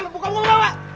buka dulu bapak